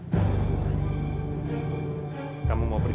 sebentar cuman mau beli